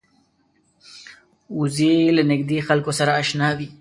وزې له نږدې خلکو سره اشنا وي